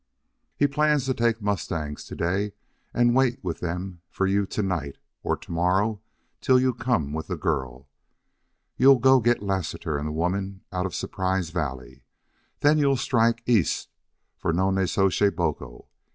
He plans to take mustangs to day and wait with them for you to night or to morrow till you come with the girl. You'll go get Lassiter and the woman out of Surprise Valley. Then you'll strike east for Nonnezoshe Boco.